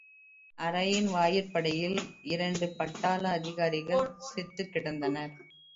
அறையின் வாயிற்படியில் இரண்டு பட்டாள அதிகாரிகள் செத்துக்கிடந்தனர்.